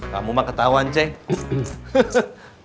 kamu mah ketahuan cek